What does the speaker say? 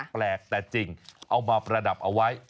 แปลกแต่จริงเอามาประดับเอาไว้